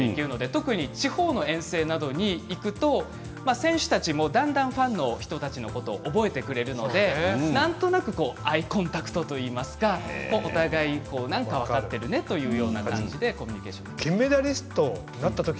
特に地方の遠征などに行くと選手たちもだんだんファンの人たちのこと覚えてくれるのでなんとなくアイコンタクトといいますかお互い、何か分かっているねというような感じでコミュニケーションを。